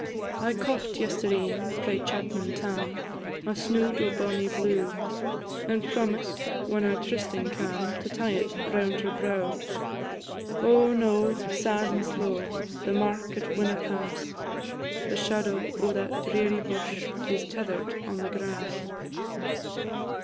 I coft yestreen, frae chapman Tam, A snood o' bonnie blue, And promised, when our trysting cam', To tie it round her brow. Oh, no! sad and slow, The mark it winna pass; The shadow o' that dreary bush Is tether'd on the grass.